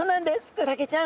クラゲちゃん。